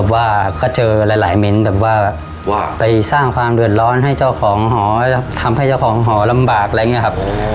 ว่าไปสร้างความเรือดร้อนที่ทำให้เจ้าของหอลำบากอะไรแบบนี้ครับอ๋อ